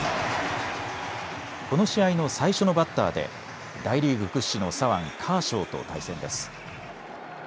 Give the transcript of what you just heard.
この試合の最初のバッターで大リーグ屈指の左腕、カーショーと対戦です。